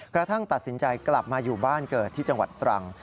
กระทั่งตัดสินใจกลับมาอยู่บ้านเกิดที่จังหวัดตรัง